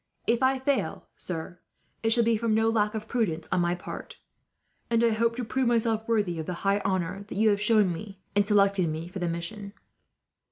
"If I fail, sir, it shall be from no lack of prudence on my part; and I hope to prove myself worthy of the high honour that the prince and yourself have done me, in selecting me for the mission."